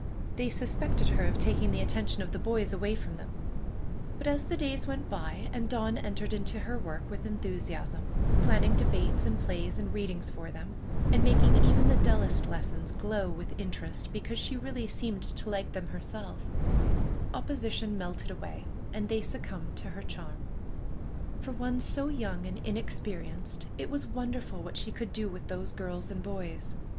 They suspected her of taking the attention of the boys away from them; but as the days went by, and Dawn entered into her work with enthusiasm, planning debates and plays and readings for them, and making even the dullest lessons glow with interest because she really seemed to like them herself, opposition melted away and they succumbed to her charm. For one so young and inexperienced, it was wonderful what she could do with those girls and boys.